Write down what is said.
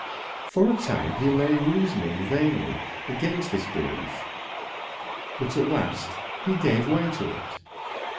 For a time he lay reasoning vainly against this belief, but at last he gave way to it.